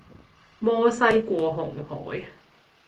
摩西過紅海